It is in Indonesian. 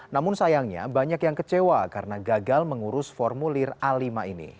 namun sayangnya banyak yang kecewa karena gagal mengurus formulir a lima ini